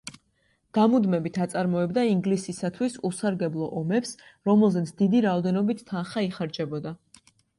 გამუდმებით აწარმოებდა ინგლისისათვის უსარგებლო ომებს, რომელზეც დიდი რაოდენობით თანხა იხარჯებოდა.